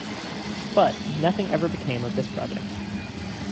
But, nothing ever became of this project.